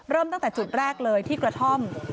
เริ่มตั้งแต่จุดแรกเลยที่กระท่อม